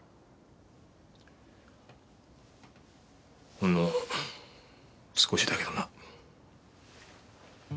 ほんの少しだけどな。